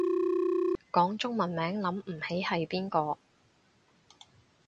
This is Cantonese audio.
講中文名諗唔起係邊個